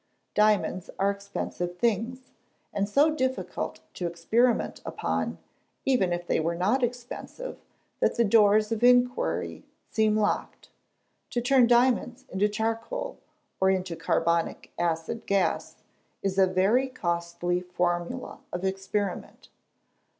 Diamonds are expensive things, and so difficult to experiment upon, even if they were not expensive, that the doors of inquiry seem locked. To turn diamonds into charcoal, or into carbonic acid gas, is a very costly formula of experiment.